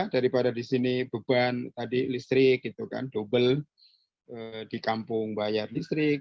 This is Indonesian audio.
daripada di sini beban tadi listrik gitu kan dobel di kampung bayar listrik